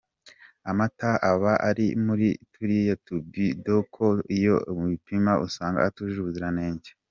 Amata aba ari muri turiya tubido koko iyo uyapimye usanga atujuje ubuziranenge ;.